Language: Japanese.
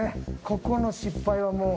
ここの失敗はもう。